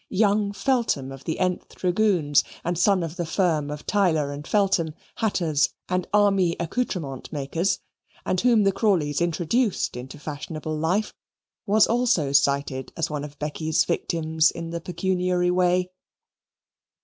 Young Feltham, of the th Dragoons (and son of the firm of Tiler and Feltham, hatters and army accoutrement makers), and whom the Crawleys introduced into fashionable life, was also cited as one of Becky's victims in the pecuniary way.